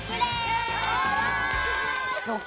そうか。